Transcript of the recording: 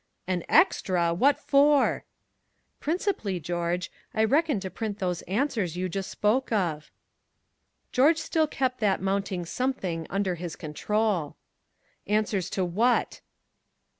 "An extra! What for?" "Principally, George, I reckon to print those answers you just spoke of." George still kept that mounting something under his control. "Answers to what?"